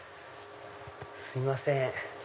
すいません。